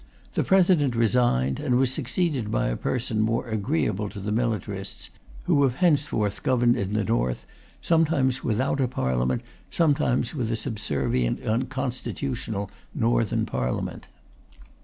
The President resigned, and was succeeded by a person more agreeable to the militarists, who have henceforth governed in the North, sometimes without a Parliament, sometimes with a subservient unconstitutional Northern Parliament.